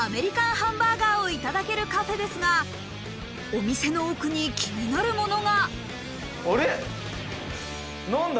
ハンバーガーをいただけるカフェですがお店の奥に気になるものがあれ⁉何だ？